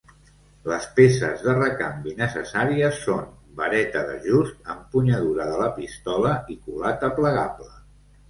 Les peces de recanvi necessàries són: vareta d'ajust, empunyadura de la pistola i culata plegable.